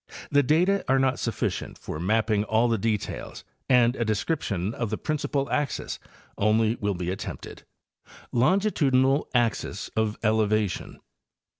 The data are not sufficient for mapping all the details and a description of the principal axes only will be attempted. Longitudinal Axes of Elevation.